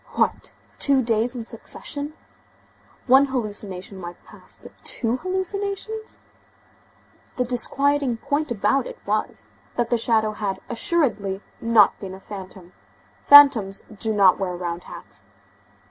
What! Two days in succession! One hallucination might pass, but two hallucinations? The disquieting point about it was, that the shadow had assuredly not been a phantom. Phantoms do not wear round hats.